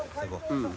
うん。